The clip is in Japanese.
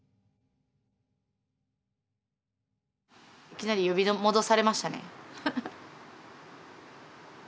いきなり呼び戻されましたね。